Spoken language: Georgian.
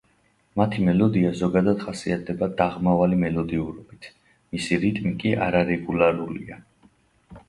მათი მელოდია ზოგადად ხასიათდება დაღმავალი მელოდიურობით, მისი რიტმი კი არარეგულარულია.